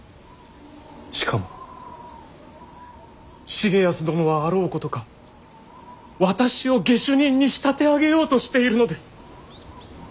しかも重保殿はあろうことか私を下手人に仕立て上げようとしているのです。